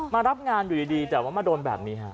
มารับงานอยู่ดีแต่ว่ามาโดนแบบนี้ฮะ